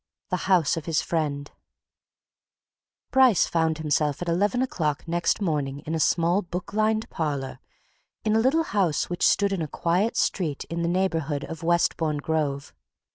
THE HOUSE OF HIS FRIEND Bryce found himself at eleven o'clock next morning in a small book lined parlour in a little house which stood in a quiet street in the neighbourhood of Westbourne Grove.